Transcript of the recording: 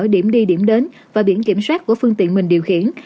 điểm đi điểm đến và biển kiểm soát của phương tiện mình điều khiển